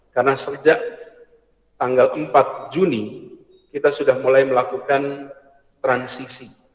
karena sejak tanggal empat juni kita sudah mulai melakukan transisi